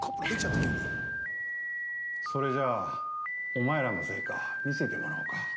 ◆それじゃあ、お前らの成果見せてもらおうか。